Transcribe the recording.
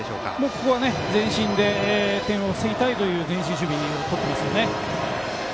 ここは前進で点を防ぎたいという前進守備ですね。